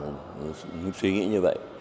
hoàn toàn suy nghĩ như vậy